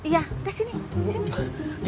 iya kesini kesini